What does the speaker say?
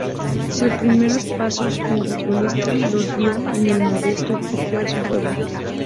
Sus primeros pasos como futbolista los dio en el modesto equipo de su pueblo.